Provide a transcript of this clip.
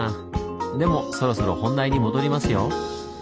でもそろそろ本題に戻りますよ。